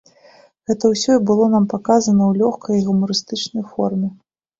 Гэта ўсё і было намі паказана ў лёгкай і гумарыстычнай форме.